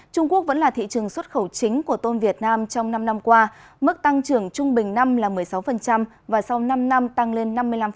trung quốc vẫn là thị trường xuất khẩu chính của tôm việt nam trong năm năm qua mức tăng trưởng trung bình năm là một mươi sáu và sau năm năm tăng lên năm mươi năm